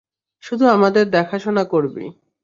শুধু আমাদের দেখা শোনা করবি।